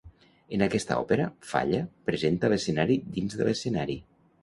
En aquesta òpera, Falla presenta l'escenari dins de l'escenari.